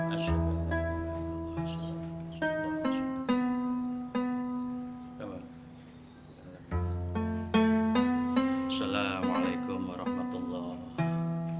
assalamualaikum warahmatullahi wabarakatuh